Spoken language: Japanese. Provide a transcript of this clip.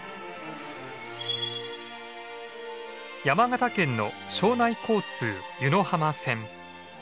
山形県の庄内交通湯野浜線。